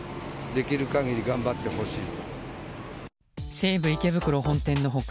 西武池袋本店の他